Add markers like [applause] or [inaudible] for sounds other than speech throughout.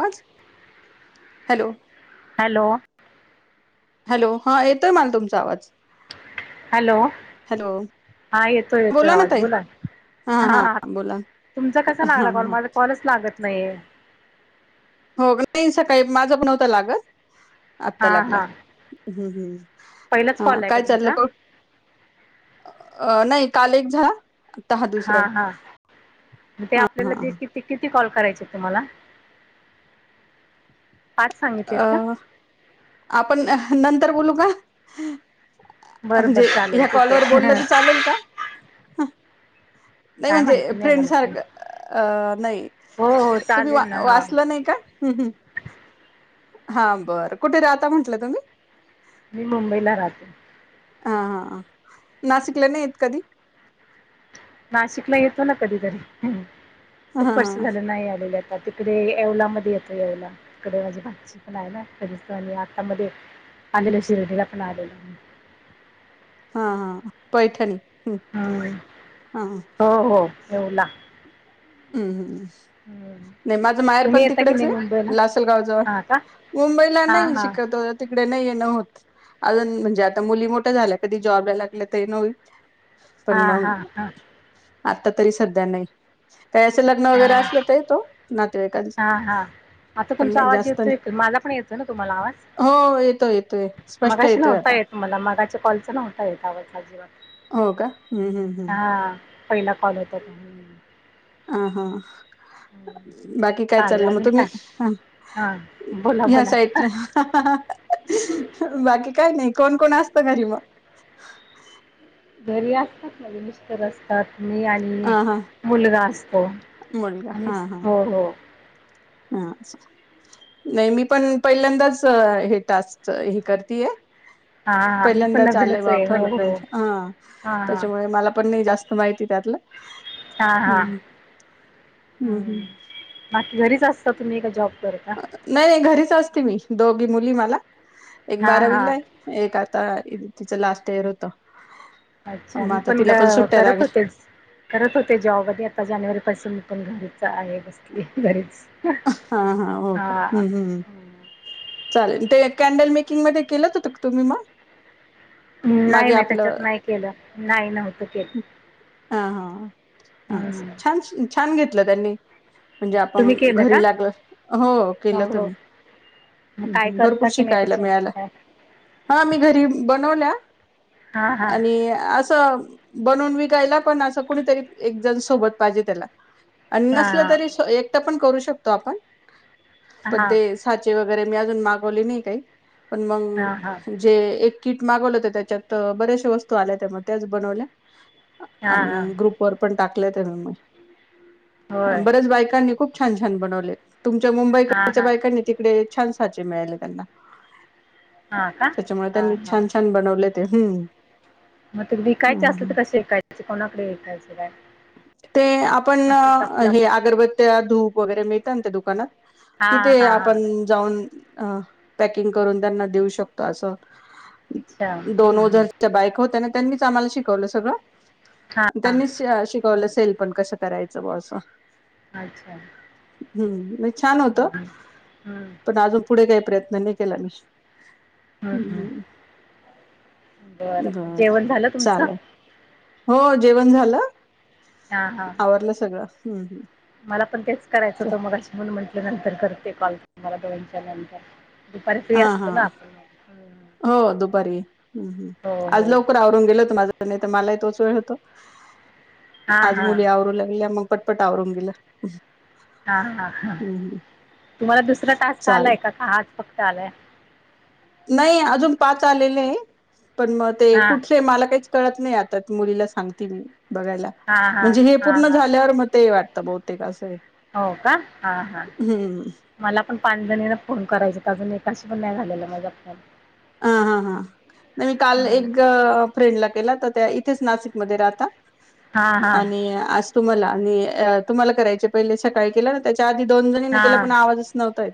आज hello? Hello? Hello, हा येतोय मला तुमचा आवाज. हॅलो, हॅलो हा येतोय, येतोय ना आवाज ताई बोला. हा तुमचा कसा हा लागला हा कॉल? माझा कॉलच लागत नाहीेय. हो नाही, सकाळी माझं पण नव्हत लागत. आता हा लागला हा ह् हम्. पहिलाच हा कॉल आहे का काय चाललं. तुमचा नाही काल एक झाला दुसरा हा आहे हा. ते आपल्याला जे किती किती कॉल करायचे तुम्हाला? पाच अ सांगितलेत का आपण नंतर बोलू का? बरं म्हणजे बरं चालेल ह्या ठीक कॉलवर आहे बोललं तर चालेल का? नाही काय म्हणजे, माहिती नाही फ्रेंड मला पण सारख, अ नाही हो हो तुम्ही चालेल ना हा वाचलं नाही का? हम हम. हा बरं कुठे राहता म्हटलं तुम्ही? मी मुंबईला राहते. हा हा नाशिकला नाही येत कधी? नाशिकला येतो ना कधीतरी. हा खूप वर्ष हा झालं नाही आलेल्यात. आ तिकडे येवलामध्ये येतो, येवला तिकडे माझी भाची पण आहे ना? करीच आणि आतामध्ये आलेलो शिर्डीला पण आलेलो. हा हा पैठणी. हम्म हम् हा हम्म हो हो येवला. हम्म हम् हम्म नाही माझ माहेर तुम्ही पण येता की तिकडेच नाही आहे मुंबईला लासलगाव जवळ. हा का मुंबईला हा नाही हा शक्यतो येत. तिकडे नाही येन होत, अजून म्हणजे आता मुली मोठ्या झाल्या कधी जॉबला लागल्या तर येन होईल. पण हा मग हा हा आता तरी सध्या नाही. काही असं लग्न हा वगैरे असलं ते तो नातेवाईकांचं. हा हा. आता तुमचा आवाज येतोय, माझा पण येतो ना तुम्हाला आवाज? हो येतोय, येतोय स्पष्ट मगाशी येतोय नव्हता आता. येत मला मगाच्या कॉलच नव्हता येत आवाज अजिबात हो का हम्म हम्म हम्म हा पहिला कॉल होता तो हम्म अ हा. हम्म बाकी काय चालेल चाललं मग अजून तुम्ही काय हा बोला ह्या बोला साईडला. बाकी काय नाही कोण कोण असत घरी मग? घरी असतात माझे मिट टर असतात मी आणि हा हा मुलगा असतो मुलगा आणि हा हा हो हो. हा. नाही मी पण, पहिल्यांदाच हे टास्क हे करतीय. हा हा मी पण पहिल्यांदाच आलय नवीनच आहे फोन हो अ फ्रेंड हो हा हा हा त्याच्यामुळे मला पण नाही जास्त माहिती त्यातलं हा हा हम्म हम्म हम्म ह् बाकी घरीच असता का तुम्ही? की जॉब करता? नाही नाही घरीच असते मी, दोघी मुली मला, एक हा हा बारावीला आहे. एक आता तिचं लास्ट इयर होत. अच्छा मग मी आता पण ग तिला सुट्ट्या करत लागल्या होतेच. करत होते जॉब आधी आता जानेवारी पासून पण घरीच आहे बसली आहे घरीच हा हो का हा हम्म हम्म हो. चालेल ते कॅन्डल मेकिंग मध्ये केलं होतं तुम्ही मग नाही मागे नाही आपलं त्याच्यात नाही केलं नाही नव्हतं केलं. हा हा हा असं हम्म छान छान घेतलं त्यांनी म्हणजे आपण तुम्ही केलं का घरी लागल हो केलं त मी. मग काय करता भरपूर की नाही ते शिकायला चालतील मिळायला काय हा मी घरी बनवल्या. हां हां आणि आस बनून विकायला पण असं कुणीतरी एक जण सोबत पाहिजे त्याला आणि नसलं हां तरी एकट पण करू शकतो आपण हां पण हां ते साचे व वगैरे मी अजून मागवली नाही काही पण हां हां मग जे एक किट मागवलं होत त्याच्यात बऱ्याचशा वस्तू आल्या होत्या त्यामुळे त्याच बनवल्या. हां हां आणि ग्रुप वर पण टाकले त्या होय म बऱ्याच बायकांनी खूप छान छान बनवले तुमच्या हां मुंबईकडच्या हां बायकानी तिकडे छान साचे मिळाले त्यांना हां का त्याच्यामुळे हां त्यांनी हां छान छान बनवलेत. ते हम्म. मग तु विकायचे असल हम्म. तर कसे विकायचे कोणाकडे विकायचें काय? ते आपण असे कापला हे पण अगरबत्या धूप वगैरे मिळत ना त्या दुकानात हां तिथे हां हां आपण जाऊन पकिंग करून त्यांना देऊ शकतो. असं अच्छा दोन हां ओझरच्या बायका होत्या ना त्यांनीच आम्हाला शिकवलं सगळं त्यांनी शिकवलं सेल पण कसं करायचं बा असं अच्छा हम्म म छान होत हम्म हम्म हम्म पण अजून पुढे काही प्रयत्न नाही केला मी हम्म हम्म बरं बर जेवण झालं तुमचं चालेल. हो जेवण झालं हां हां आवरलं सगळं ह ह. मला पण तेच करायचं होतं मगाशी म्हणून म्हटलं नंतर करते कॉल तुम्हाला दोनच्या नंतर दुपारी फ्री हा हा असतो ना आपण मग हो दुपारी हम् हम् हो आज हो लवकर आ होऊन गेल होत माझ तर मला तोच वेळ होत हां आज हां मुली आवरू लागल्या मग. पटपट आवरून गेलं. हा हा हा हम्म तुम्हाला दुसरा टास्क चालेल आलाय का? का हाच फक्त आलाय? नाही अजून पाच आलेले आहे पण मग ते हां कुठले मला काहीच कळत नाही आता मुलीला सांगते मी बघायला हां हां म्हणजे हे हां पूर्ण हां झाल्यावर म ते वाटतं ब ते कसं आहे. हो का हा हा. हम्म मला पण पाच जणीना फोन करायचे अजून एकाशी पण नाही झालेला माझा फोन हं हां हां नाही मी काल हं. एक फ्रेंड ला केला तर त्या इथेच नाशिक मध्ये राहता हां हां आणि असं तुम्हाला आणि तुम्हाला करायचे पहिले सकाळी केला ना त्याच्या आधी दोन जणीनी केला हां हां पण आवाजच नव्हता येत.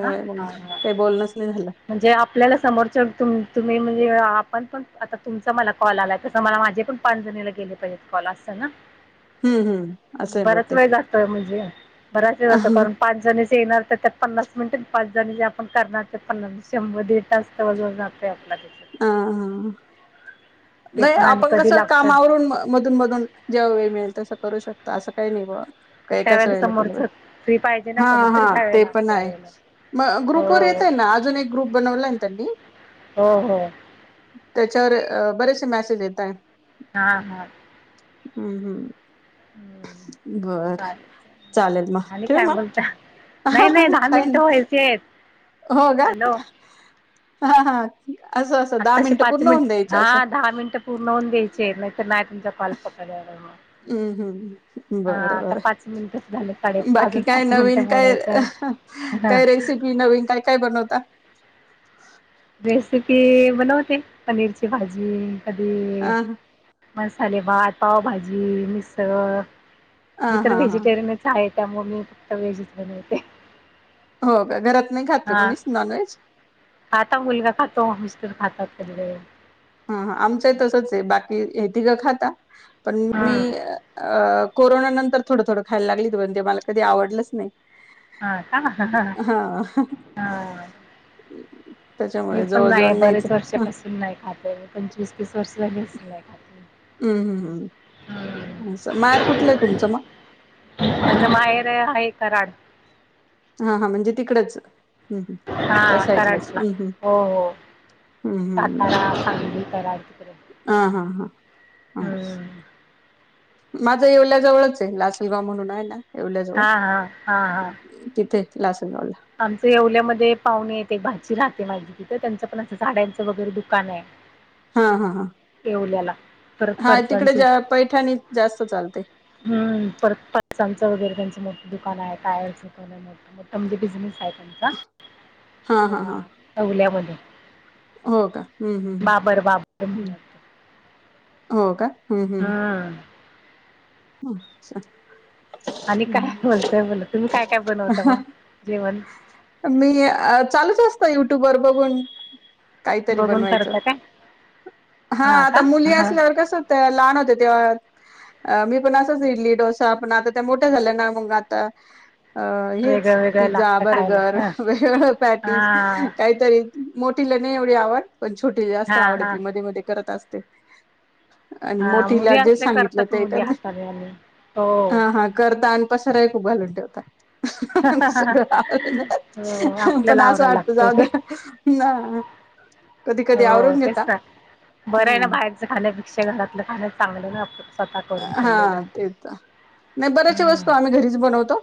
का मग हां हां काही बोलणच नाही झालं. म्हणजे आपल्याला समोरच्या तुम्ही म्हणजे आपण पण आता तुमचा मला कॉल आलाय तसं मला माझे पण पाच जणीला गेले. कॉल असत ना. [inaudible] हम्म असं आहे बराच बहुतेक वेळ जातोय म्हणजे बराच वेळ ह जातो कारण पाच जणीचे येणार तर त्या पन्नास मिनिट पाच जणी ज आपण करणार ते पन्नास शंभर दीड तास. जवळजवळ जातोय आपला तिथ. हा नाही आपण कस काम आवरून मग मधून मधून जेव्हा वेळ मिळेल तसं करू शकता असं काही नाही बा. त्यावेळेला समोरच फ्री पाहिजे [unintelligible] ना हा हा कोणीतरी ते त्यावेळेला पण आपल्या आहे. वेळेला मग ग्रुप वर हो येतय ना अजून एक ग्रुप बनवला आहे त्या हो हो. त्याच्यावर बरेसे मेसेज येताय. हा हा. हम हम. बरं चालेल चालेल मग. आणि ठेऊ काय मग? बोलता नाही नाही दहा काय मिनिटं नाही व्हायची आहेत हो का. हॅलो हा हा असं अस आताशी पाच मिनिट हा दहा मिनिटं पूर्ण होऊन द्यायचे नाहीतर नाही तुमचा कॉल पकडला जाणार. हम्म हम् बर बर. मिनिटच झाले साडे बाकी अजून काय पाच नवीन मिनिटं काय? बोलायचंय हा. काय रेसिपी नवीन काय काय बनवता? रेसिपी बनवते पनीरची भाजी कधी अ ह मसाले भात, पावभाजी, मिसळ, मी तर हा हा व्हेजिटेरियनच आहे त्यामुळे मी फक्त व्हेजच बनवते. हो का. घरात नाही खातं हा कोणीच नॉन व्हेज? खाता मुलगा खातो मिस्टर खातात कधी कधी. हा आमच ही तसंच आहे बाकी हे तीग खाता पण मी हम्म अ कोरोना नंतर थोडंथोड खायला लागली त म्हणजे मला कधी आवडलंच नाही. हा का हा हा. मी त्याच्यामुळे पण नाही जवळजवळ नाहीच बरेच हं वर्षापासून नाही खाते मी पण पंचवीस वीस तीस वर्ष झाली असतील नाही खात. हम्म हम् हम्म. हम्ं. माहेर कुठलंय हाय तुमचं मग? माझा माहेर आहे कराड. हा हा म्हणजे तिकडच. हम् हम् हा त्या साईडलाच कराडला हम् हम् हो हो. हम्म हम् सातारा, सांगली, कराड तिकडे. हा हा हा हा. हम्म माझा येवल्याजवळच आहे लासीगाव म्हणून आहे ना, हा येवल्याजवळ हा हा हा. तिथे लासनगावला. आमच येवल्यामध्ये पाहुणे येते भाची राहते माझी. तथं त्यांचं पण असं साड्यांच वगैरे दुकान आहे. हा हा हा. येवल्याला. परत हा तिकडे फरसांचे जा पैठणी जास्त चालते. हम् परत पंक्चरच वगैरे त्यांच मोठे दुकान आहे टायरच दुकान हाय. मोठ म्हणजे बिझनेस आहे त्यांचा हा हा हा अ टवल्यामध्ये हो का हम्म [inaudible] हम्म बाबर बाबर हम् म्हणून हो का हम्म हम्म हम [inaudible] आणि काय बोलतोय बोला तुम्ही काय काय बनवता मग जेवण मी चालूच असत युट्यूबर बघून काही तरी बघून बनवायचं करता काय हा का आता मुली हा असल्यावर कस लहान होते तेव्हा अ मी पण असच इडली डोसा पण आता मोठ्या झाल्या ना मग आता अ हेच वेगळं वेगळं पिझ्झा लागतं खायला बर्गर हा वेगवेगळं पॅटीस हा काही तरी मोठीला नाही एवढी आवड पण छोटीला जास्त हा हा आवडती मध्ये मध्ये करत असते आणि हा मुली मोठीला जे असल्या सांगितलं करतात ते मुली करते हाताने हो हा हा करता अन पसारा ही खूप घालून ठेवता हह सग हो [inaudible] पण आपल्याला असं आवरायला वाटत लागते जाऊ ते दया ना कधी कधी हो आवरून तेच घेता ना बरं आहे ना हम्म बाहेरचं खाण्यापेक्षा घरातलं खाण चांगलंना आपल्यासाठी हा तेेत नाही बऱ्याच हम्म वस्तू आम्ही घरीच बनवतो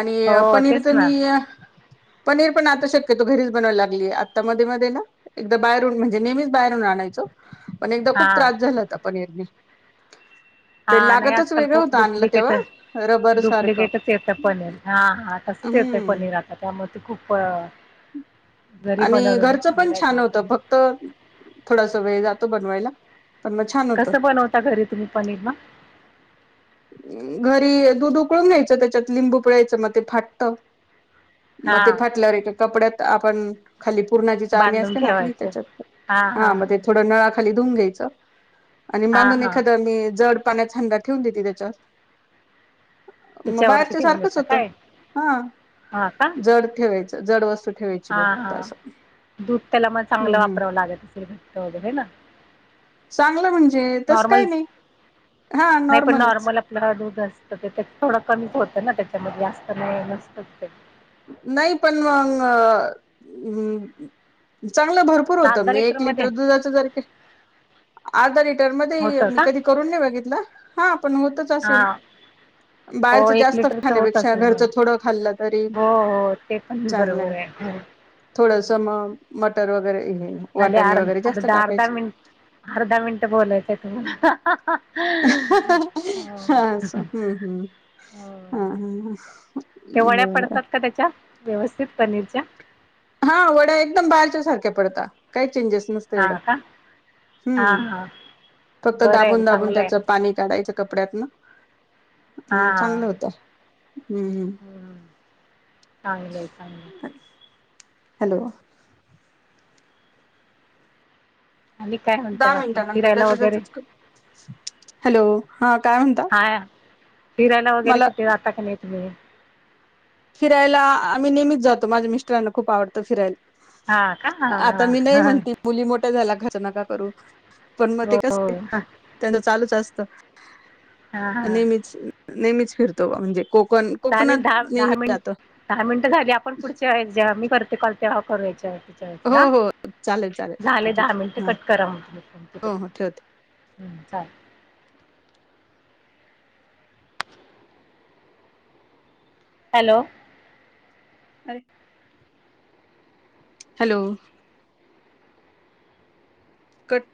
आणि हो पनीर तेच तर ना मी पनीर पण आता शक्यतो घरीच बनावायला लागलीय आत्ता मध्ये मध्ये ना एकदा बाहेरून म्हणजे नेहमीच बाहेरून आणायचो पण एकदा हा खूप त्रास झाला होता पनीरने हा नाही आजकाल वेगळं खूप होतं आणलं डुप्लिकेट तेव्हा रबर सारखं डुप्लिकेटच येतं पनीर हा हा तसच येतंय हम्म पनीर आता त्यामुळे ते खूप घरी बनवलेल चांगलं आहे खर तर तर थोडास वेळ जातो बनवायला पण मग छान होतं कसं बनवता घरी तुम्ही पनीर मग घरी दूध उकळून घ्यायचं त्याच्यात लिंबू पिळायचं मग ते फाटत हा मग ते फाटल्यावर एका कपड्यात आपण खाली पूर्णाची चाळणी बांधून असते ना आपली ठेवायचं त्याच्यात हा मध्ये थोड नळाखाली धुून घ्यायचं आणि हा बांधून हा एखाद मी जड पाण्याचा हंडा ठेवून देते त्याच्या वर मग त्याच्यावरती बाहेरच्या ठेवून सारखंच देता होतं काय हा हा का जड ठेवायचं जड वस्तू ठेवायची हा बघ फक्त हा असं दूध त्याला मग हम्म चांगलं हम्म वापरावं लागत असेल घट्ट वगैरे हे ना चांगलं म्हणजे तस काय नॉर्मल नाही हा नॉर्मलच आपल काय दूध असतं तेच्यात थोडं कमीच होतं ना त्याच्यामध्ये जास्त नाही नसत ते नाही पण मग चांगल भरपूर पूर होतं अर्धा मी एक लिटरमध्ये लिटर दुधाच करते अर्धा लिटर मध्ये होतं मी का कधी करून नाही बघितलं हा पण होतच हा असेल हो बाहेरच एक जास्त लिटरचं होत खाण्यापेक्षा असेल मग घरचं थोडं खाल्लं तरी हो हो ते पण बरोबर आहे थोडंस मग मटर वगैरे हे आले वाटाणे अर्ध वगैरे जास्त अर्धा अर्धा टाकायचे. मिनट अर्धा मिनट बोलायचंय तुम्हाला हो हा हम्म हम्म हो हा हा ते हम वड्या बरं पडतात त्याच्या व्यवस्थित पनीरच्या हा वड्या एकदम बाहेरच्या सारख्या पडता काही चेंजेस नसत. हा का हा हम्म हा फक्त बरं आहे दाबून दाबून चांगलं आहे त्याचं पाणी काढायचं कपड्यातन मग चांगलं होतं हम्म हम्म हम्म चांगलं आहे चांगलं हॅलो आणि काय म्हणतय दहा बाकी मिनिटानंतर फिरायला त्याच वगैरे त्याच हॅलो हा काय म्हणता हा फिरायला वगैरे मला कुठे जाता का नाही तुम्ही फिरायला आम्ही नेहमीच जातो माझ्या मिस्टरांना खूप आवडतं फिरायला हा का हा आता मी नाही हा हा म्हणते मुली मोठ्या झाल्या खर्च नका करू पण मग ते हो हो कसये ते तर चालूच असत. हा हा नेहमीच नेहमीच फिरतो म्हणजे कोकण कोकणात नेहमी हा जातो दहा मिनिट झाली आपण पुढच्या जेव्हा मी करते कॉल तेव्हा करू हो याच्यावर हो. चालेल चालेल हा झाले ठीक दहा मिनिट हा कट करा म्हणजे हो तिकडू हो ठेवते हम्म चालल हॅलो [inaudible] हॅलो कट